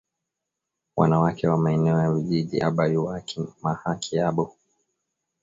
Wanawake wa maeneo ya vijiji aba yuwaki ma haki yabo